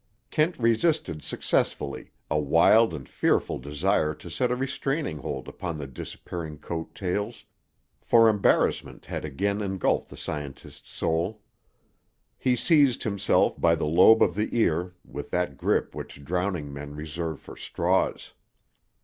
Kent resisted successfully a wild and fearful desire to set a restraining hold upon the disappearing coat tails, for embarrassment had again engulfed the scientist's soul. He seized himself by the lobe of the ear with that grip which drowning men reserve for straws.